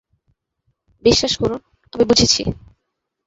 বিশ্বাস করুন, আমি বুঝেছি।